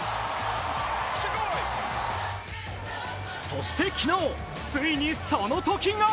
そして昨日、ついにその時が！